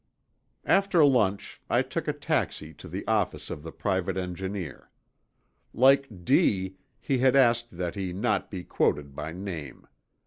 After lunch, I took a taxi to the office of the private engineer. Like D———, he has asked that he not be quoted by name.